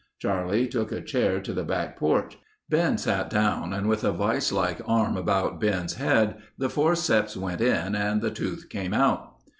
Charlie took a chair to the back porch. Ben sat down and with a vice like arm about Ben's head, the forceps went in and the tooth came out.